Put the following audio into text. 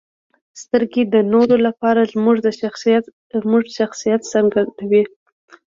• سترګې د نورو لپاره زموږ د شخصیت څرګندوي.